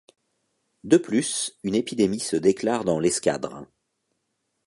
De plus, une épidémie se déclare dans l’escadre.